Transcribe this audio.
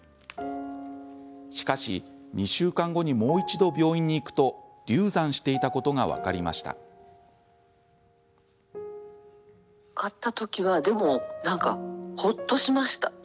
しかし、２週間後にもう一度、病院に行くと流産していたことが分かりました。